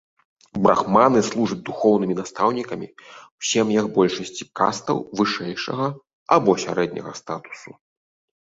Брахманы служаць духоўнымі настаўнікамі ў сем'ях большасці кастаў вышэйшага або сярэдняга статусу.